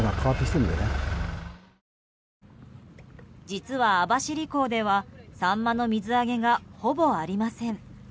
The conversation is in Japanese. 実は、網走港ではサンマの水揚げがほぼありません。